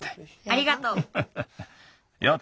ありがとう。